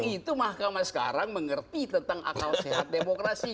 itu mahkamah sekarang mengerti tentang akal sehat demokrasi